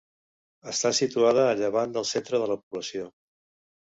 Està situada a llevant del centre de la població.